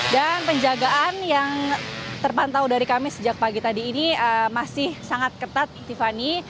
dan penjagaan yang terpantau dari kami sejak pagi tadi ini masih sangat ketat tiffany